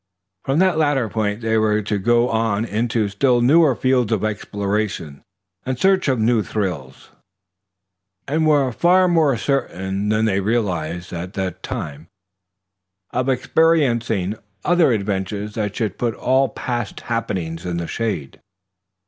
From that latter point they were to go on into still newer fields of exploration, in search of new thrills, and were far more certain than they realized at that time of experiencing other adventures that should put all past happenings in the shade.